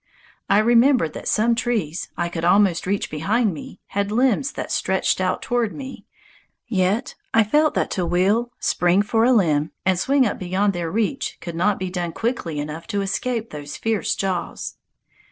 I remembered that some trees I could almost reach behind me had limbs that stretched out toward me, yet I felt that to wheel, spring for a limb, and swing up beyond their reach could not be done quickly enough to escape those fierce jaws.